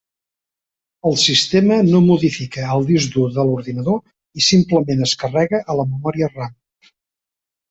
El sistema no modifica al disc dur de l'ordinador i simplement es carrega a la memòria RAM.